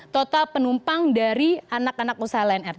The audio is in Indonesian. total penumpang dari anak anak usaha lion air